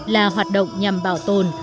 là hoạt động nhằm bảo tồn